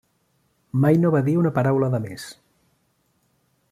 Mai no va dir una paraula de més.